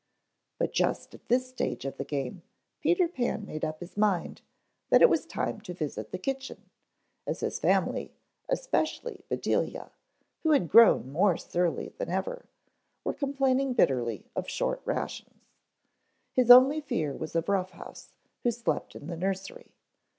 But just at this stage of the game Peter Pan made up his mind that it was time to visit the kitchen, as his family, especially Bedelia, who had grown more surly than ever, were complaining bitterly of short rations. His only fear was of Rough House, who slept in the nursery.